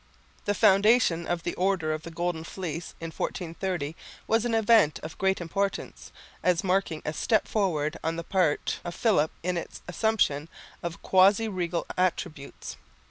The foundation of the Order of the Golden Fleece in 1430 was an event of great importance, as marking a step forward on the part of Philip in its assumption of quasi regal attributes.